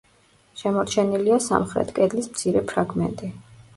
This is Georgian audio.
შემორჩენილია სამხრეთ კედლის მცირე ფრაგმენტი.